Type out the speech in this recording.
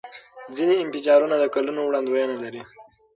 ځینې انفجارونه د کلونو وړاندوینه لري.